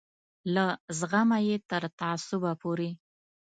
له زغمه یې تر تعصبه پورې.